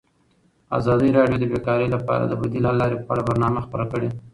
ازادي راډیو د بیکاري لپاره د بدیل حل لارې په اړه برنامه خپاره کړې.